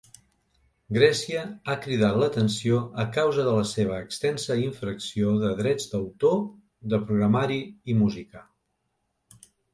Grècia ha cridat l'atenció a causa de la seva extensa infracció de drets d'autor de programari i música.